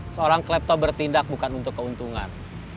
seorang klepto bertindak bukan untuk keuntungan